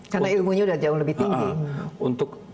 karena ilmunya sudah jauh lebih tinggi